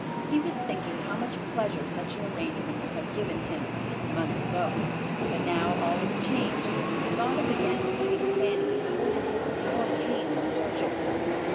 He was thinking how much pleasure such an arrangement would have given him a few months ago; but now all was changed, and the thought of again meeting Fanny afforded him more pain than pleasure.